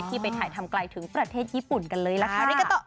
ไปถ่ายทำไกลถึงประเทศญี่ปุ่นกันเลยล่ะค่ะ